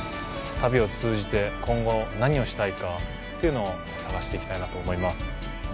旅を通じて、今後、何をしたいかというのを探してみたいなと思います。